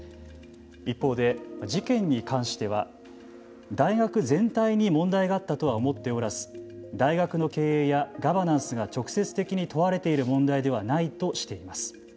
一方で、事件に関しては大学全体に問題があったとは思っておらず大学の経営やガバナンスが直接的に問われている問題ではないとしています。